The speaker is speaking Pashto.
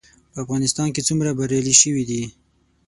په افغانستان کې څومره بریالي شوي دي؟